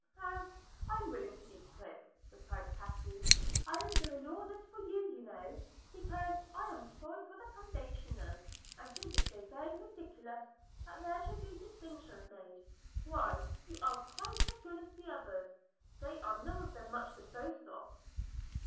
"Oh, I'm willing to be quick," replied Kathleen. "I am doing all this for you, you know, because I am sorry for the foundationers, and think it so very ridiculous that there should be distinctions made. Why, you are quite as good as the others. They are none of them much to boast of."